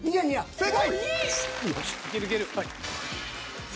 正解。